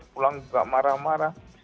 pulang juga marah marah